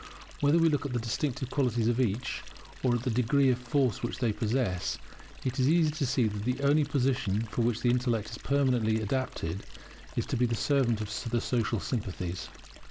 Whether we look at the distinctive qualities of each, or at the degree of force which they possess, it is easy to see that the only position for which the intellect is permanently adapted is to be the servant of the social sympathies.